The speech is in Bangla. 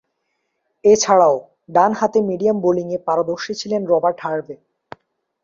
এছাড়াও, ডানহাতে মিডিয়াম বোলিংয়ে পারদর্শী ছিলেন রবার্ট হার্ভে।